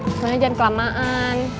keselnya jangan kelamaan